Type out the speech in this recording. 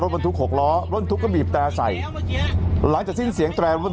รถบรรทุกหกล้อรถทุกก็บีบแปลใส่หลังจากสิ้นเสียงแปลรถ